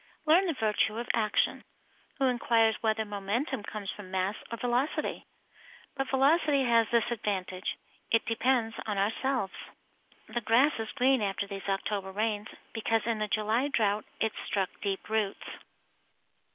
Learn the virtue of action. Who inquires whether momentum comes from mass or velocity? But velocity has this advantage; it depends on ourselves. The grass is green after these October rains, because in the July drought it struck deep roots.